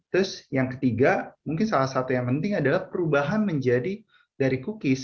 terus yang ketiga mungkin salah satu yang penting adalah perubahan menjadi dari cookies